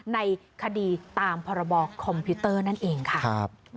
ในคดีตามพรบคอมพิวเตอร์นั่นเองค่ะ